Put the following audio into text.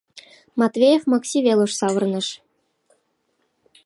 — Матвеев Макси велыш савырныш.